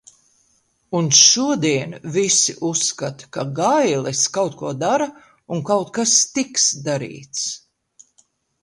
Un šodien visi uzskata, ka Gailis kaut ko dara un kaut kas tiks darīts.